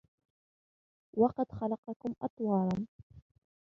وقد خلقكم أطوارا